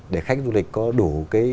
để khách du lịch có đủ